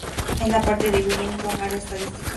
Es parte de la Wilmington Área Estadística Metropolitana.